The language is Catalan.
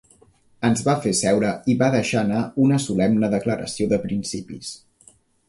Ens va fer seure i va deixar anar una solemne declaració de principis.